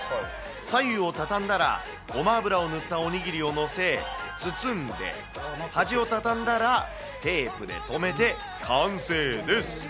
左右を畳んだら、ゴマ油を塗ったおにぎりを載せ、包んで、端を畳んだら、テープで留めて完成です。